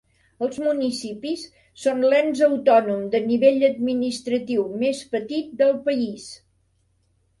Els municipis són l'ens autònom de nivell administratiu més petit del país.